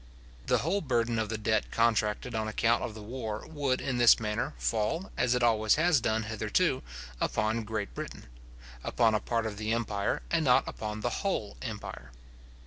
The whole burden of the debt contracted on account of the war would in this manner fall, as it always has done hitherto, upon Great Britain; upon a part of the empire, and not upon the whole empire.